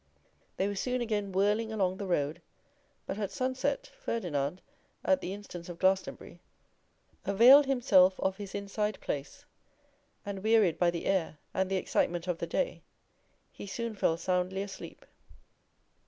They were soon again whirling along the road; but at sunset, Ferdinand, at the instance of Glastonbury, availed himself of his inside place, and, wearied by the air and the excitement of the day, he soon fell soundly asleep.